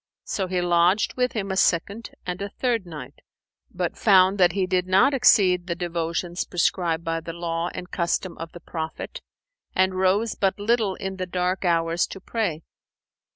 So he lodged with him a second and a third night, but found that he did not exceed the devotions prescribed by the law and custom of the Prophet and rose but little in the dark hours to pray.